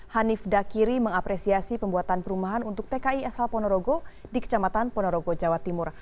hanif dakiri mengapresiasi pembuatan perumahan untuk tki asal ponorogo di kecamatan ponorogo jawa timur